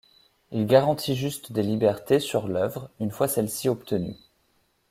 Il garantit juste des libertés sur l'œuvre une fois celle-ci obtenue.